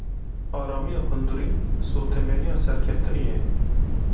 Aramiya hundirîn, sotemeniya serkeftinê ye.